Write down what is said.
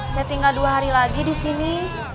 saya tinggal dua hari lagi di sini